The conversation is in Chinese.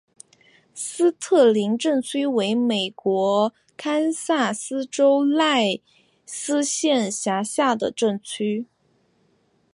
斯特宁镇区为美国堪萨斯州赖斯县辖下的镇区。